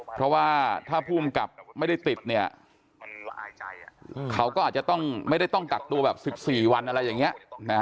เพราะว่าถ้าภูมิกับไม่ได้ติดเนี่ยเขาก็อาจจะต้องไม่ได้ต้องกักตัวแบบ๑๔วันอะไรอย่างนี้